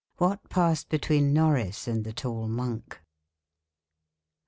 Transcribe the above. What passed between Norris and the Tall Monk.